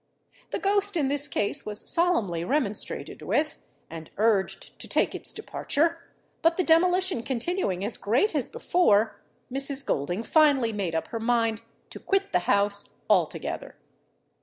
The ghost in this case was solemnly remonstrated with, and urged to take its departure; but the demolition continuing as great as before, Mrs. Golding finally made up her mind to quit the house altogether.